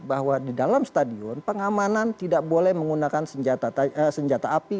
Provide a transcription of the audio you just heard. bahwa di dalam stadion pengamanan tidak boleh menggunakan senjata api